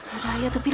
ya tuhan ya tuhan